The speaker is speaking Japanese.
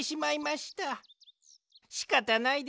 しかたないです。